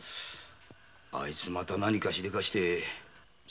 あいつまた何かしでかして。